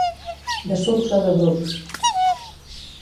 De sucs o de brucs.